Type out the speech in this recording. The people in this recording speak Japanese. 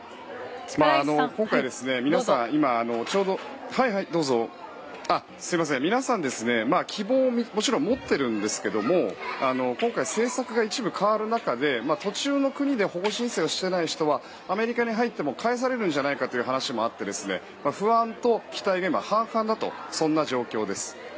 今回、皆さん希望をもちろん持っているんですけども今回、政策が一部変わる中で途中の国で保護申請をしていない人はアメリカに入っても帰されるんじゃないかという話もあって不安と期待が半々だという状況です。